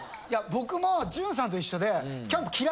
僕も潤さんと一緒で。